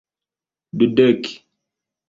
dudek